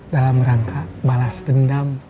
dalam rangka balas dendam